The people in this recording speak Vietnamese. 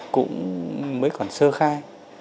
cũng mới còn sơ khai